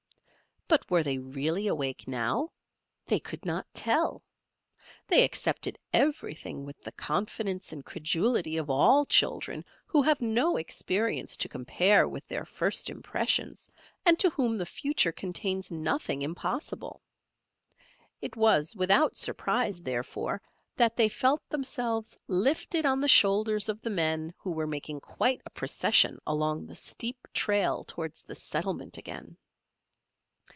But were they really awake now? They could not tell. They accepted everything with the confidence and credulity of all children who have no experience to compare with their first impressions and to whom the future contains nothing impossible. It was without surprise, therefore, that they felt themselves lifted on the shoulders of the men who were making quite a procession along the steep trail towards the settlement again.